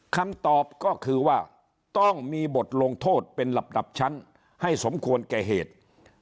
คำตอบก็คือว่าต้องมีบทลงโทษเป็นระดับชั้นให้สมควรแก่เหตุ